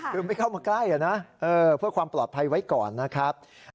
คือไม่เข้ามาใกล้นะเพื่อความปลอดภัยไว้ก่อนนะครับ